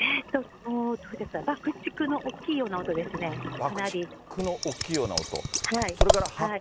爆竹の大きいような音ですね、爆竹の大きいような音。